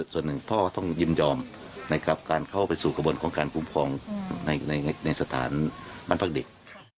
ส่วนหนึ่งพ่อต้องยินยอมนะครับการเข้าไปสู่กระบวนของการคุ้มครองในสถานบ้านพักเด็ก